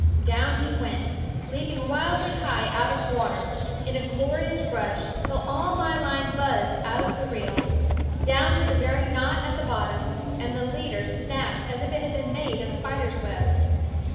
Down he went, leaping wildly high out of water, in a glorious rush, till all my line buzzed out of the reel, down to the very knot at the bottom, and the leader snapped as if it had been made of spider's web.